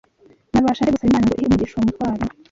Nabasha nte gusaba Imana ngo ihe umugisha uwo mutwaro